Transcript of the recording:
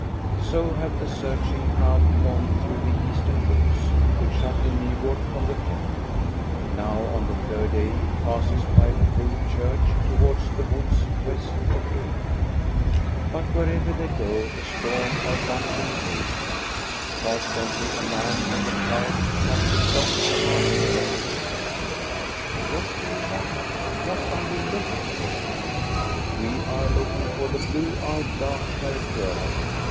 So have the searching crowd gone through the eastern woods, which shut in Nygard from the plain. Now on the third day it passes by the Bro church towards the woods west of Ekeby. But wherever they go, a storm of wondering rages ; constantly a man from the crowd has to stop to answer questions :" What do you want ? What are you looking for ?" "We are looking for the blue eyed, dark haired girl.